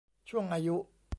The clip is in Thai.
ช่วงอายุ